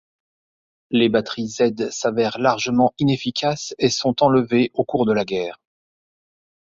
Les batteries Z s'avèrent largement inefficaces et sont enlevées au cours de la guerre.